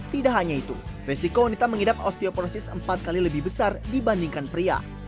tidak hanya itu resiko wanita mengidap osteoporosis empat kali lebih besar dibandingkan pria